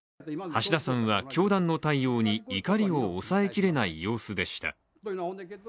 橋田さんは教団の対応に怒りを抑えきれない様子でした。